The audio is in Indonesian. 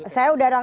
saya udah langsung